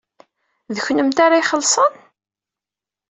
D kennemti ara ixellṣen?